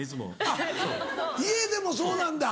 あっ家でもそうなんだ！